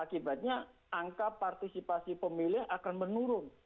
akibatnya angka partisipasi pemilih akan menurun